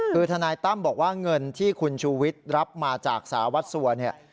คือทนายตั้มบอกว่าเงินที่คุณชูวิทย์รับมาจากสารวัตรสัวเนี่ย